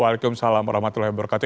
waalaikumsalam warahmatullahi wabarakatuh